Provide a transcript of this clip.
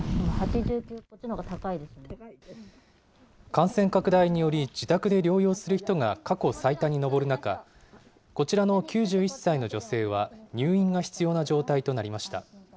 感染拡大により、自宅で療養する人が過去最多に上る中、こちらの９１歳の女性は、入院が必要な状態となりました。